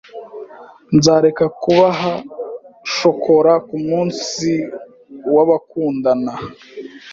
Nzareka kubaha shokora ku munsi w'abakundana.